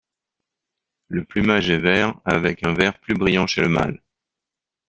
Le plumage est vert avec un vert plus brillant chez le mâle.